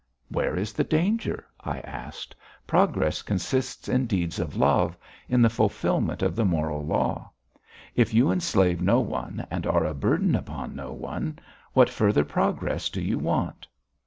"Where is the danger?" I asked. "Progress consists in deeds of love, in the fulfilment of the moral law. If you enslave no one, and are a burden upon no one, what further progress do you want?"